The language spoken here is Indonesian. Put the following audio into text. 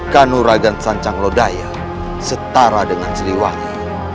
kanuragan sancagodaya setara dengan sriwani